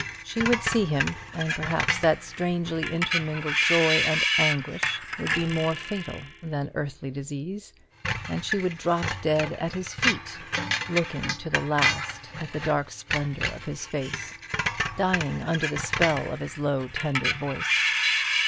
She would see him, and perhaps that strangely intermingled joy and anguish would be more fatal than earthly disease, and she would drop dead at his feet, looking to the last at the dark splendour of his face dying under the spell of his low tender voice.